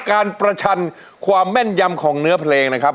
การประชันความแม่นยำของเนื้อเพลงนะครับ